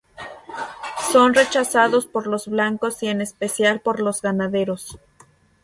Son rechazados por los blancos y en especial por los ganaderos.